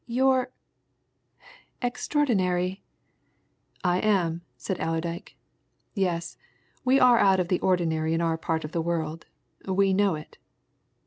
"You're extraordinary!" "I am," said Allerdyke. "Yes we are out of the ordinary in our part of the world we know it.